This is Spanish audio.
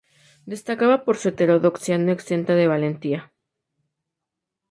Destacaba por su heterodoxia no exenta de valentía.